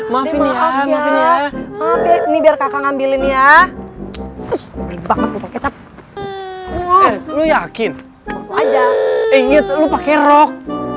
maafin ya maafin ya ini biar kakak ngambilin ya banget kecap lu yakin aja eh itu pakai rock